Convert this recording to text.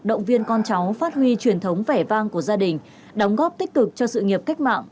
động viên con cháu phát huy truyền thống vẻ vang của gia đình đóng góp tích cực cho sự nghiệp cách mạng